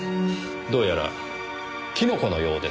どうやらキノコのようですよ。